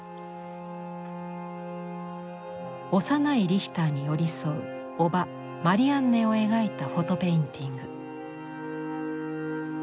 幼いリヒターに寄り添う叔母マリアンネを描いた「フォト・ペインティング」。